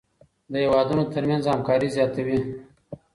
د هېوادونو ترمنځ همکاري زیاتوي.